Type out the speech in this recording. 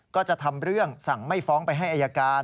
ก็จะทำเรื่องสั่งไม่ฟ้องไปให้อายการ